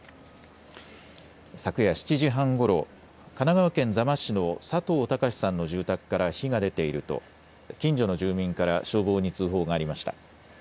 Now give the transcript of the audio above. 昨夜７時半ごろ神奈川県座間市の佐藤孝さんの住宅から火が出ていると近所の住民から消防に通報がありました。